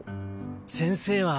先生は。